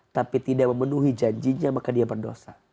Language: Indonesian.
tapi tidak memenuhi janjinya maka dia berdosa